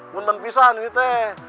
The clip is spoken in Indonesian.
gue nten pisah nih nite